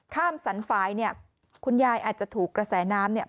สันฝ่ายเนี่ยคุณยายอาจจะถูกกระแสน้ำเนี่ย